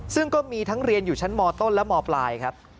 ซึ่งก็มีทั้งเรียนอยู่ชั้นมต้นและมปลายครับ